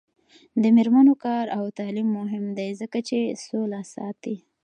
د میرمنو کار او تعلیم مهم دی ځکه چې سوله ساتي.